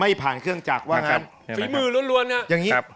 ไม่ผ่านเครื่องจักรว่างั้นฝีมือล้วนครับ